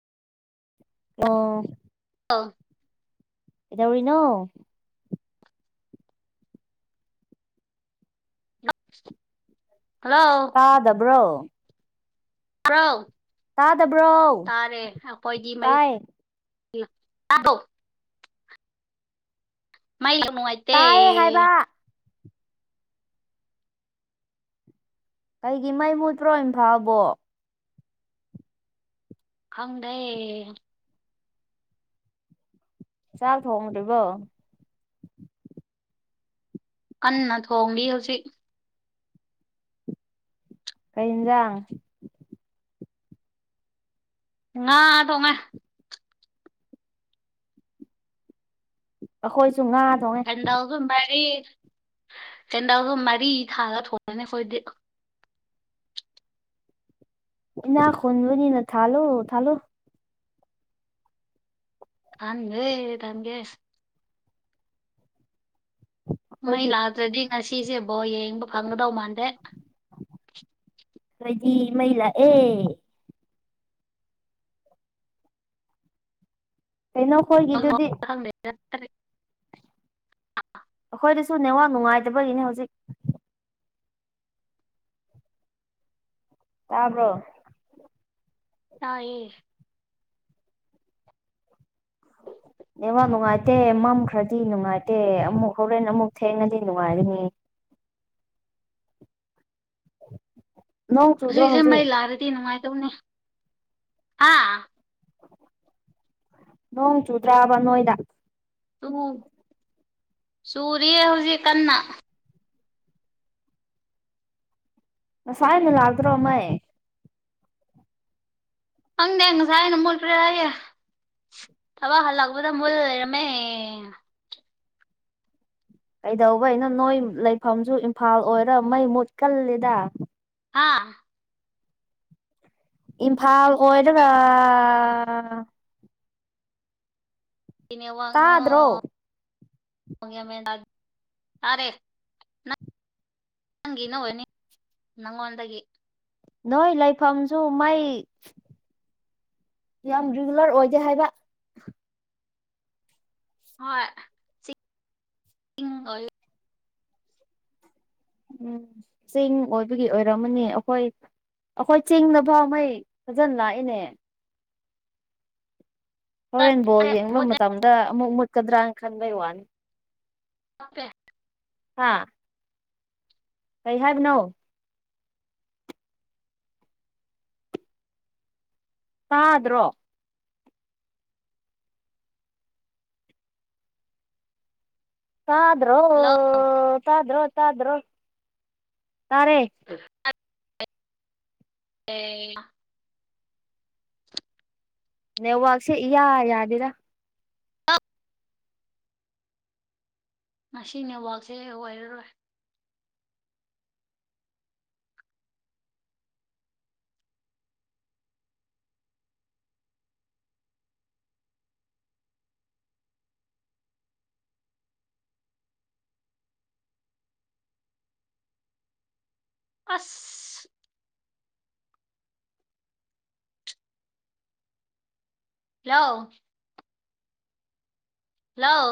ꯑꯣ ꯑꯥ ꯀꯩꯗꯧꯔꯤꯅꫭ ꯍꯜꯂꯣ ꯇꯥꯗꯕ꯭ꯔꯣ ꯇꯥꯕ꯭ꯔꫭ ꯇꯥꯗꯕ꯭ꯔꯣ ꯇꯥꯔꯦ ꯑꯩꯈꯣꯏꯗꯤ ꯃꯩ ꯇꯥꯏ ꯇꯥꯕꯣ ꯃꯩ ꯌꯥꯝ ꯅꯨꯡꯉꯥꯏ ꯇꯥꯏ ꯍꯥꯏꯕ ꯀꯩꯒꯤ ꯃꯩ ꯃꯨꯠꯇ꯭ꯔꯣ ꯏꯝꯐꯥꯜꯕꯣ ꯈꯪꯗꯦ ꯆꯥꯛ ꯊꫭꯡꯗ꯭ꯔꯤꯕꯣ ꯀꯟꯅ ꯊꯣꯡꯂꯤ ꯍꯧꯖꯤꯛ ꯀꯩ ꯏꯟꯖꯥꯡ ꯉꯥ ꯊꫭꯡꯉꯦ ꯑꯩꯈꯣꯏꯁꯨ ꯉꯥ ꯊꯣꯡꯉꯦ ꯁꯦꯟꯗꯥꯥꯎꯁꯨ ꯃꯔꯤ ꯁꯦꯟꯗꯥꯥꯎꯁꯨ ꯃꯔꯤ ꯊꯥꯒ ꯊꯣꯡꯉꯅꯤ ꯑꯩꯈꯣꯏꯗꯤ ꯏꯅꯥ ꯈꯨꯟꯕꯅꯤꯅ ꯊꯥꯜꯂꫭ ꯊꯥꯜꯂꫭ [unintelligible] ꯃꯩ ꯑꯩꯈꯣꯏꯗꯤ ꯂꯥꯛꯗ꯭ꯔꯗꯤ ꯉꯁꯤꯁꯦ ꯕꯣꯜ ꯌꯦꯡꯕ ꯐꯪꯒꯗꯧ ꯃꯥꯟꯗꯦ ꯈꫭꯏꯗꯤ ꯃꯩ ꯂꯥꯛꯑꯦ ꯀꯩꯅꯣ ꯑꯩꯈꯣꯏꯒꯤꯗꯨꯗꯤ [unintelligible] ꯑꯩꯈꯣꯏꯗꯁꯨ ꯅꯦꯋꯥꯛ ꯅꯨꯡꯉꯥꯏꯇꯕꯒꯤꯅꯤ ꯍꯧꯖꯤꯛ ꯇꯥꯕ꯭ꯔꯣ ꯇꯥꯏꯌꯦ ꯅꯦꯋꯥꯛ ꯅꯨꯡꯉꯥꯏꯇꯦ ꯃꯝꯈ꯭ꯔꯗꯤ ꯅꯨꯡꯉꯥꯏꯇꯦ ꯑꯃꯨꯛ ꯍꯣꯔꯦꯟ ꯑꯃꯨꯛ ꯊꯦꯡꯉꯗꯤ ꯅꯨꯡꯉꯥꯏꯔꯅꯤ ꯅꯣꯡ ꯆꯨꯗ꯭ꯔꯣ ꯍꯧꯖꯤꯛꯁꯦ ꯃꯩ ꯍꯧꯖꯤꯛ ꯂꯥꯛꯑꯗꯤ ꯅꯨꯡꯉꯥꯏꯇꯧꯅꯤ ꯑꯥ ꯅꯣꯡ ꯆꯨꯗ꯭ꯔꯥꯕ ꯅꯣꯏꯗ ꯆꯨꯔꯤꯌꯦ ꯍꯧꯖꯤꯛ ꯀꯟꯅ ꯉꯁꯥꯏꯅ ꯂꯥꯛꯗ꯭ꯔꯣ ꯃꯩ ꯈꯪꯗꯦ ꯉꯁꯥꯏꯅ ꯃꯨꯠꯈ꯭ꯔꯦ ꯃꯩ ꯊꯕꯛ ꯍꯜꯂꯛꯄꯗ ꯃꯨꯠꯂꯒ ꯂꯩꯔꯝꯃꯦ ꯀꯩꯗꯧꯕꯩꯅꯣ ꯅꯣꯏ ꯂꯩꯐꯝꯁꯨ ꯏꯝꯐꯥꯜ ꯑꯣꯏꯔ ꯃꯩ ꯃꯨꯠꯀꯜꯂꯤꯗ ꯍꯥꯥ ꯏꯝꯐꯥꯜ ꯑꯣꯏꯔꯒ ꯀꯩ ꯇꯥꯗ꯭ꯔꯣ ꯅꯦꯋꯥꯡꯅꫭ ꯇꯥꯔꯦ ꯅꯪꯒꯤ ꯅꯅꯤ ꯅꯪꯉꯣꯟꯗꯒꯤ ꯅꯣꯏ ꯂꯩꯐꯝꯁꯨ ꯃꯩ ꯌꯥꯝ ꯔꯤꯒꯨꯂꯔ ꯑꯣꯏꯗꯦ ꯍꯥꯏꯕ ꯍꯣꯏ [unintelligible] ꯎꯝ ꯆꯤꯡ ꯑꯣꯏꯕꯒꯤ ꯑꯣꯏꯔꯝꯃꯅꯤ ꯑꯩꯈꯣꯏ ꯑꯩꯈꯣꯏ ꯆꯤꯡꯗꯐꯥꯎ ꯃꯩ ꯐꯖꯅ ꯂꯥꯛꯏꯅꯦ ꯍꯣꯔꯦꯟ ꯕꯣꯜ ꯌꯦꯡꯕ ꯃꯨꯠꯂꯦ ꯃꯇꯝꯗ ꯑꯃꯨꯛ ꯃꯨꯠꯀꯗ꯭ꯔꯅ ꯈꯟꯕꯩ ꯋꯥꯅꯤ ꯑꯣꯀꯦ ꯍꯥꯥ ꯀꯩ ꯍꯥꯏꯕꯅꯣ ꯇꯥꯗ꯭ꯔꯣ ꯆꯗ꯭ꯔꯣ ꯍꯜꯂꯣ ꯆꯗ꯭ꯔꯣ ꯆꯗ꯭ꯔꯣ ꯇꯥꯔꯦ ꯎ ꯑꯦ ꯅ ꯋꯥꯛꯁꯦ ꯌꯥ ꯌꯥꯗꯔ ꯉ ꯅꯦꯠꯋꯥꯛꯁꯦ ꯑꯣꯏꯔꯔꯣꯏ ꯑꯁ ꯍꯜꯂꯣ ꯍꯜꯂꯣ